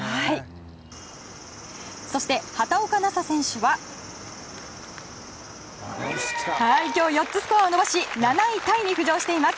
そして、畑岡奈紗選手は今日４つスコアを伸ばし７位タイに浮上しています。